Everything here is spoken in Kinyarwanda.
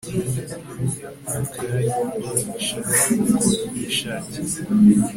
akarikoresha uko yishakiye